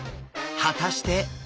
果たして！？